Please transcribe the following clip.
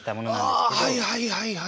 ああはいはいはいはい。